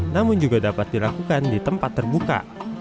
namun juga dapat dilakukan di tempat terbuka